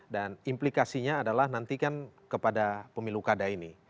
dan implikasinya adalah nantikan kepada pemilu kada ini